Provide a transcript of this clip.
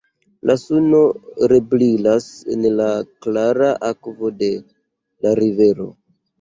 La suno rebrilas en la klara akvo de la rivero.